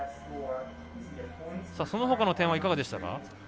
そのほかの点はいかがでしたか？